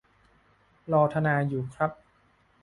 รอทนายอยู่ครับ